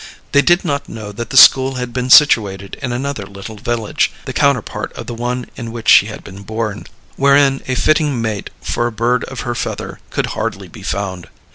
They did not know that the school had been situated in another little village, the counterpart of the one in which she had been born, wherein a fitting mate for a bird of her feather could hardly be found.